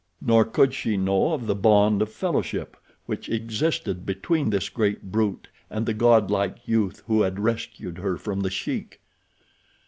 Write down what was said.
Nor could she know of the bond of fellowship which existed between this great brute and the godlike youth who had rescued her from the Sheik.